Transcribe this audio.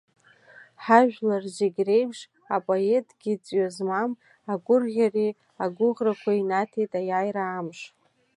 Ҳажәлар зегь реиԥш, апоетгьы ҵҩа змам агәырӷьареи агәыӷрақәеи инаҭеит аиааира амш.